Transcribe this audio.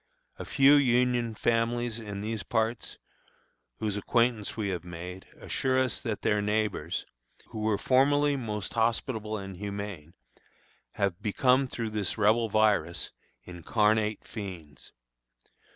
A few Union families in these parts, whose acquaintance we have made, assure us that their neighbors, who were formerly most hospitable and humane, have become, through this Rebel virus, incarnate fiends.